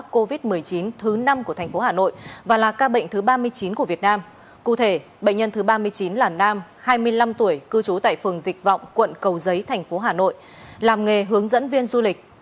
cụ thể bệnh nhân thứ ba mươi chín là nam hai mươi năm tuổi cư trú tại phường dịch vọng quận cầu giấy thành phố hà nội làm nghề hướng dẫn viên du lịch